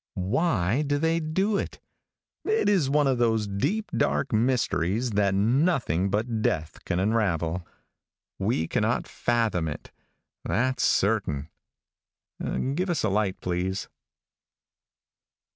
Why do they do it? It is one of those deep, dark mysteries that nothing but death can unravel. We cannot fathom it, that's certain. (Give us a light, please.)